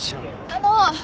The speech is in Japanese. あの！